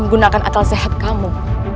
menggunakan atas sehat kamu